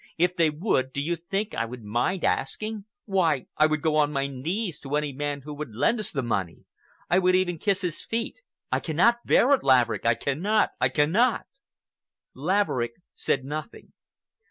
If they would, do you think I would mind asking? Why, I would go on my knees to any man who would lend us the money. I would even kiss his feet. I cannot bear it, Laverick! I cannot! I cannot!" Laverick said nothing.